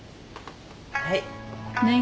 はい。